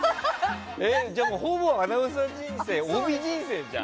ほぼアナウンサー人生帯人生じゃん！